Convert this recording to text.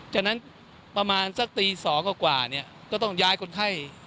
ฉะนั้นประมาณสักตี๒กว่าก็ต้องย้ายคนไข้